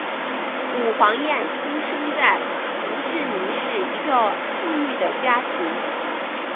武黄燕出生在胡志明市一个富裕的家庭。